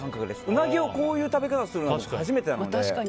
うなぎをこういう食べ方をするの初めてなので。